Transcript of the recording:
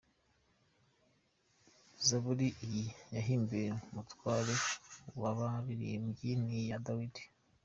Zaburi iyi yahimbiwe umutware w’abaririmbyi Ni iya Dawidi.